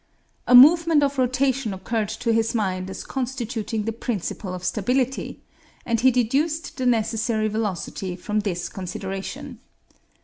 A movement of rotation occurred to his mind as constituting the principle of stability, and he deduced the necessary velocity from this consideration.